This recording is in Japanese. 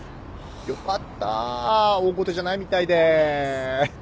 よかった大ごとじゃないみたいで。